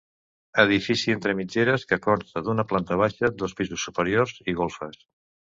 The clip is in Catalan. Edifici entre mitgeres, que consta d'una planta baixa, dos pisos superiors i golfes.